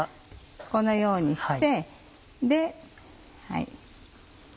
このようにして。